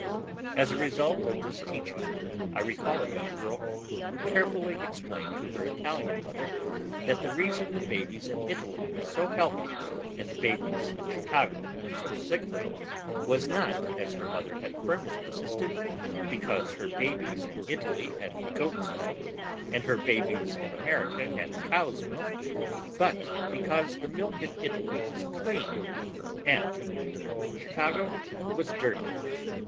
As a result of this teaching I recall a young girl who carefully explained to her Italian mother that the reason the babies in Italy were so healthy and the babies in Chicago were so sickly, was not, as her mother had firmly insisted, because her babies in Italy had goat's milk and her babies in America had cow's milk, but because the milk in Italy was clean and the milk in Chicago was dirty.